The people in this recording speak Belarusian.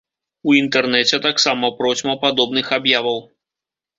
У інтэрнэце таксама процьма падобных аб'яваў.